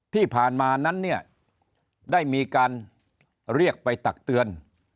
ที่ผ่านมานั้นเนี่ยได้มีการเรียกไปตักเตือน